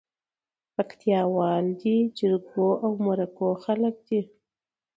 پکتياوال دي جرګو او مرکو خلک دي